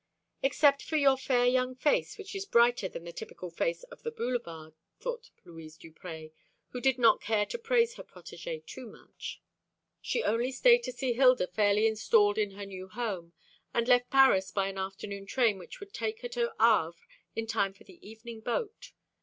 "Except for your fair young face, which is brighter than the typical face of the Boulevard," thought Louise Duprez, who did not care to praise her protégée too much. She only stayed to see Hilda fairly installed in her new home, and left Paris by an afternoon train which would take her to Havre in time for the evening boat.